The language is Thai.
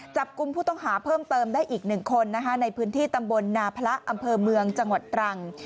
กุมผู้ต้องหาเพิ่มเติมได้อีก๑คนในพื้นที่ตำบลนาพระอำเภอเมืองจังหวัดตรัง